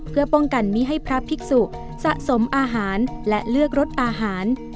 เพื่อป้องกันไม่ให้พระภิกษุสะสมอาหารและเลือกรสอาหาร